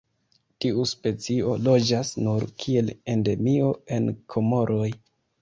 Tiu specio loĝas nur kiel endemio en Komoroj.